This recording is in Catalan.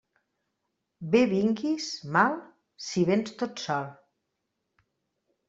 Bé vinguis, mal, si véns tot sol.